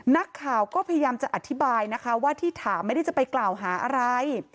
นักข่าวก็พยายามจะอธิบายนะคะว่าที่ถามไม่ได้จะไปกล่าวหาอะไร